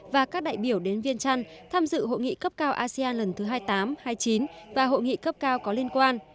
và các đại biểu đến viên trăn tham dự hội nghị cấp cao asean lần thứ hai mươi tám hai mươi chín và hội nghị cấp cao có liên quan